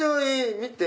見て！